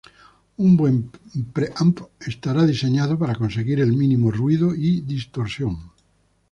Un buen pre-amp estará diseñado para conseguir el mínimo ruido y distorsión.